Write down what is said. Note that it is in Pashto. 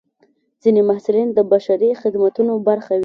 ځینې محصلین د بشري خدمتونو برخه وي.